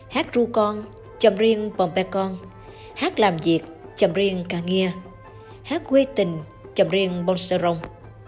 hát ru con chầm riêng pompecon hát làm việc chầm riêng cang nghia hát quê tình chầm riêng bonserong